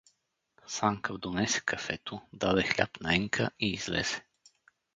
Санка донесе кафето, даде хляб на Енка и излезе.